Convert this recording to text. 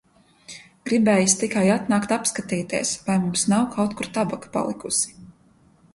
Gribējis tikai atnākt apskatīties, vai mums nav kaut kur tabaka palikusi.